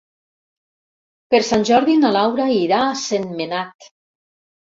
Per Sant Jordi na Laura irà a Sentmenat.